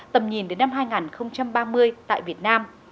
tầm nhìn đến năm hai nghìn ba mươi tại việt nam